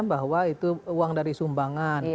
bahwa itu uang dari sumbangan